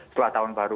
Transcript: setelah tahun baru